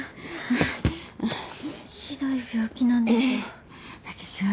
ひどい病気なんでしょ？